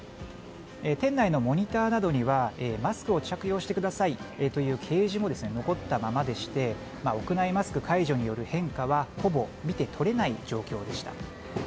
店内のモニターなどにはマスクを着用してくださいという掲示も残ったままでして屋内マスク解除による変化はほぼ見て取れない状況でした。